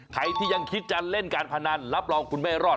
ใครที่ยังคิดจะเล่นการพนันรับรองคุณไม่รอด